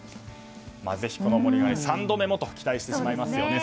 ぜひこの盛り上がりを３度目もと期待してしまいますよね。